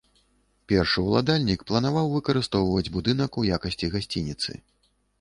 Першы ўладальнік планаваў выкарыстоўваць будынак у якасці гасцініцы.